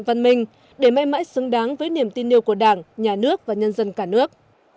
văn minh để mãi mãi xứng đáng với niềm tin yêu của đảng nhà nước và nhân dân cả nước